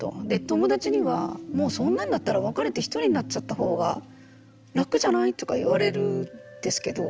友達にはもうそんなんだったら別れて一人になっちゃったほうが楽じゃない？とか言われるんですけど。